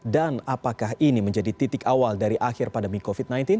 dan apakah ini menjadi titik awal dari akhir pandemi covid sembilan belas